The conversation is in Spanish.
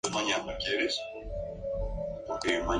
No existen registros de posibles grabaciones del programa.